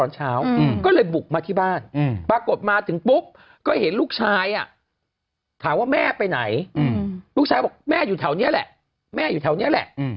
จะนัดกับผู้ตาย